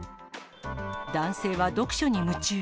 男性は読書に夢中。